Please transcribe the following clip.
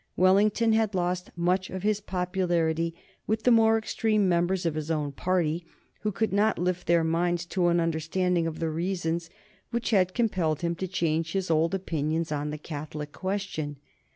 Wellington had lost much of his popularity with the more extreme members of his own party, who could not lift their minds to an understanding of the reasons which had compelled him to change his old opinions on the Catholic question.